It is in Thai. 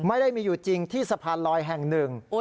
ไม่ได้มีอยู่จริงที่สะพานลอยแห่งหนึ่ง